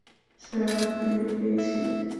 Sir, আপনাকে পেয়েছি।